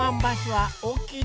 はい！